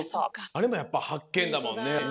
あれもやっぱはっけんだもんね。